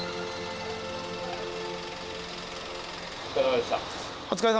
お疲れさまでした。